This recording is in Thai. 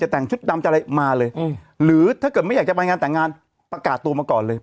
แต่งชุดดำจะอะไรมาเลยหรือถ้าเกิดไม่อยากจะไปงานแต่งงานประกาศตัวมาก่อนเลย